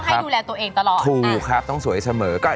ต้องให้ดูแลตัวเองตลอด